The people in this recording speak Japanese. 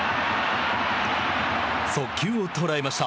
速球を捉えました。